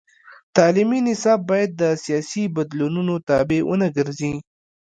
تعلیمي نصاب باید د سیاسي بدلونونو تابع ونه ګرځي.